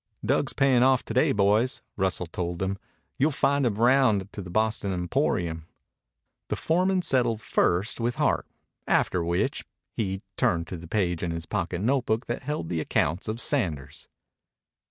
"Dug's payin' off to day, boys," Russell told them. "You'll find him round to the Boston Emporium." The foreman settled first with Hart, after which he, turned to the page in his pocket notebook that held the account of Sanders.